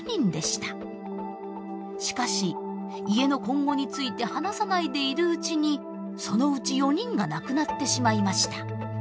しかし家の今後について話さないでいるうちにそのうち４人が亡くなってしまいました。